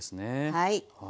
はい。